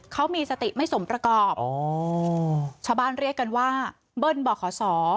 เขามีสติไม่สมประกอบอ๋อชาวบ้านเรียกกันว่าเบิ้ลบ่อขอสอ